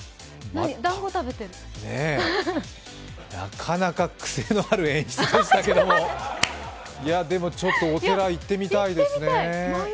なかなか癖のある演出でしたけども、でも、ちょっとお寺、行ってみたいですね。